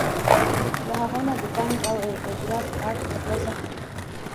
له هغو نه د پند او عبرت اړخ ترلاسه کړي.